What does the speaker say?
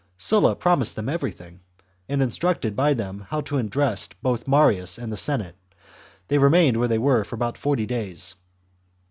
Sulla promised them everything, and, instructed by him how to address both Marius .and the Senate, they remained where they were for about forty days.